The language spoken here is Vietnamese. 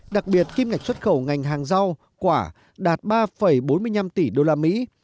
đặc biệt kim ngạch xuất khẩu ngành hàng rau quả đạt ba bốn mươi năm tỷ đô la mỹ